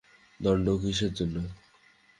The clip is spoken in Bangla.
দণ্ড কিসের জন্য।